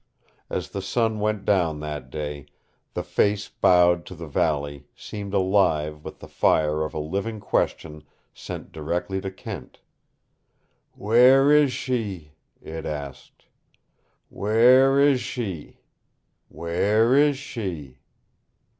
As the sun went down that day, the face bowed to the valley seemed alive with the fire of a living question sent directly to Kent. "Where is she?" it asked. "Where is she? Where is she?"